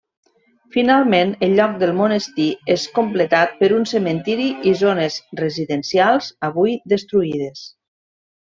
Finalment, el lloc del monestir és completat per un cementiri i zones residencials, avui destruïdes.